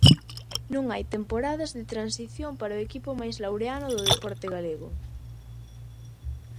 Non hai temporadas de transición para o equipo máis laureado do deporte galego.